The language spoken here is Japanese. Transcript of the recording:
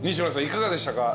いかがでしたか？